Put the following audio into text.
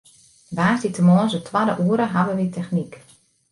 Woansdeitemoarns it twadde oere hawwe wy technyk.